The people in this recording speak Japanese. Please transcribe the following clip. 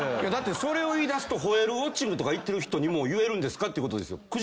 それを言いだすとホエールウオッチングとか行ってる人にも言えるんですかってことですよ。